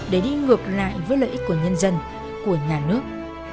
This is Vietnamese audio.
để đi ngược lại với lợi ích của nhân dân của nhà nước